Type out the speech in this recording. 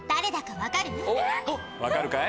分かるかい？